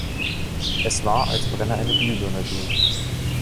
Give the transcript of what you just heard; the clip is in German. Es war, als brenne eine Glühbirne durch.